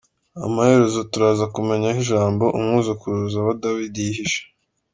Amaherezo turaza kumenya aho Jambo, umwuzukuruza wa Dawidi yihishe.